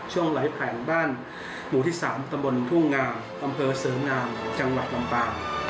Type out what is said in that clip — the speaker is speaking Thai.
ช่วงไหลผ่านบ้านอยู่ที่๓ตะบนทุ่งงามอำเภอเสริมงามจังหวัดลำปาง